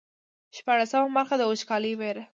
شپاړسمه برخه د وچکالۍ ویر.